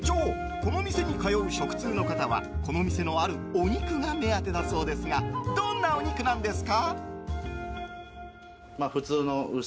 この店に通う食通の方はこの店のあるお肉が目当てだそうですがどんなお肉なんですか？